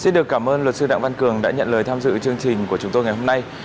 xin được cảm ơn luật sư đặng văn cường đã nhận lời tham dự chương trình của chúng tôi ngày hôm nay